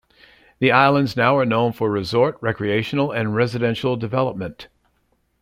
The islands now are known for resort, recreational, and residential development.